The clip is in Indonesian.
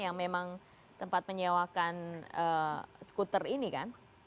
yang memang tempat menyewakan skuter ini kan